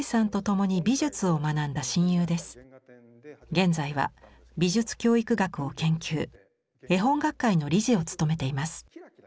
現在は美術教育学を研究絵本学会の理事を務めています。